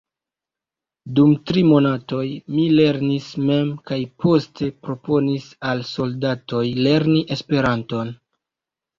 Dum tri monatoj mi lernis mem kaj poste proponis al soldatoj lerni Esperanton.